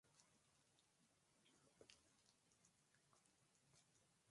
Aurora Bertrana vivió la infancia en su ciudad natal, Gerona.